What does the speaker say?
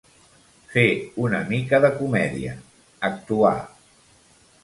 Fer una mica de comèdia, actuar.